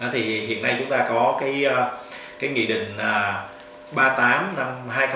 thì hiện nay chúng ta có nghị định ba mươi tám năm hai nghìn một mươi tám